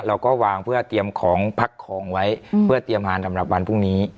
เราก็วางเพื่อเตรียมของพักของไว้เพื่อเตรียมอาหารสำหรับวันพรุ่งนี้